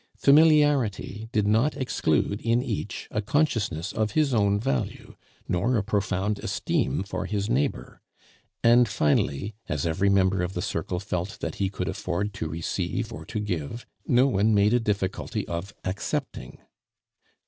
Familiarity did not exclude in each a consciousness of his own value, nor a profound esteem for his neighbor; and finally, as every member of the circle felt that he could afford to receive or to give, no one made a difficulty of accepting.